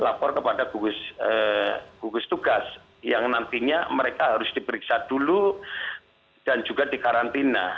lapor kepada gugus tugas yang nantinya mereka harus diperiksa dulu dan juga dikarantina